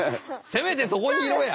せめてそこにいろや！